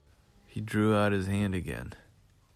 He drew out his hand again.